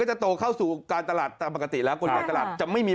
และถ้าใครอยากจะกินผักชี